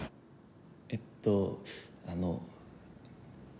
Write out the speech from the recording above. えっとあの。